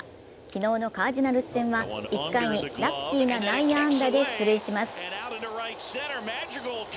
昨日のカージナルス戦は１回にラッキーな内野安打で出塁します。